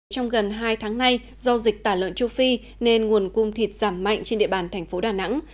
trong gần hai tháng nay do dịch tả lợn châu phi nên nguồn cung thịt giảm mạnh trên địa bàn thành phố đà nẵng